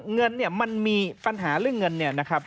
เงินมันมีปัญหาเรื่องเงินนะครับ